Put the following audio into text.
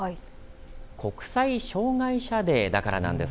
国際障害者デーだからです。